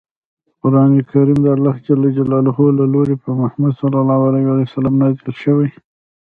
قران کریم دالله ج له لوری په محمد ص نازل شوی دی.